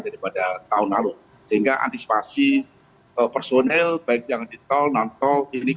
daripada tahun lalu sehingga antisipasi personil baik jangan di tol nonton ini kita mengimak oke pak